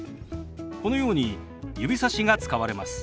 このように指さしが使われます。